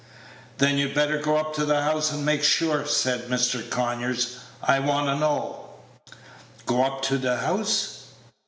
"Then you'd better go up to the house and make sure," said Mr. Conyers; "I want to know." "Go up to th' house?"